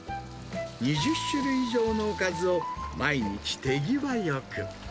２０種類以上のおかずを、毎日、手際よく。